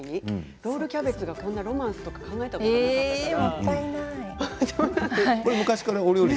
ロールキャベツ、こんなロマンス考えたことがなかったのでね。